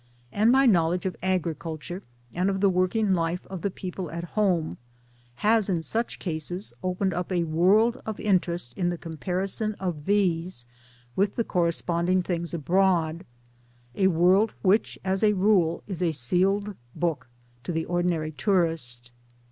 And my know ledge of agriculture and of the working life of the people at home has in such cases opened up a world of interest in the comparison of these with the corre sponding things abroad a world which as a rule is a sealed book to the ordinary tourist.